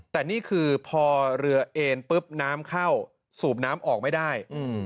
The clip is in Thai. แต่นี่คือพอเรือเอ็นปุ๊บน้ำเข้าสูบน้ำออกไม่ได้